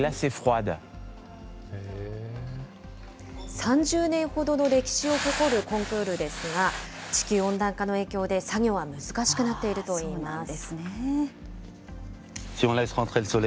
３０年ほどの歴史を誇るコンクールですが、地球温暖化の影響で作業は難しくなっているといいます。